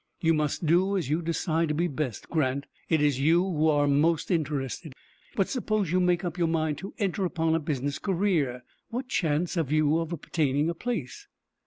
"You must do as you decide to be best, Grant. It is you who are most interested. But suppose you make up your mind to enter upon a business career, what chance have you of obtaining a place?"